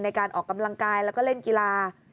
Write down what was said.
ในการออกกำลังกายแล้วก็เล่นกีฬา